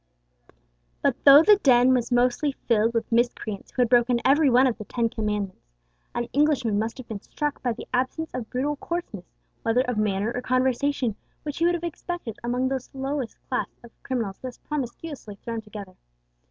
But though the den was mostly filled with miscreants who had broken every one of the ten commandments, an Englishman must have been struck by the absence of brutal coarseness, whether of manner or conversation, which he would have expected amongst the lowest class of criminals thus promiscuously thrown together.